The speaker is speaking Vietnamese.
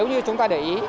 nếu như chúng ta để ý